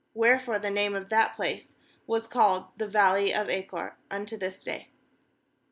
Wherefore the name of that place was called The valley of aAchor, unto this day.